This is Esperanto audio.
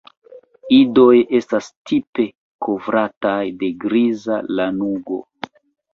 Idoj estas tipe kovrataj de griza lanugo.